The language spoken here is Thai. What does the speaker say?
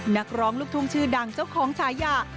นักร้องลูกทุ่งชื่อดังเจ้าของฉายา